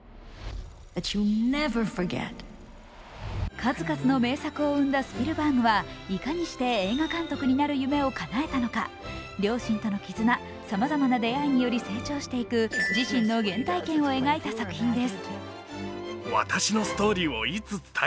数々の名作を生んだスピルバーグはいかにして映画監督になる夢をかなえたのか両親との絆、さまざまな出会いにより成長していく、自身の原体験を描いた作品です。